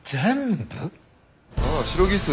ああシロギス。